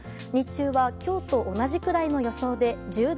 日中は今日と同じくらいの予想です。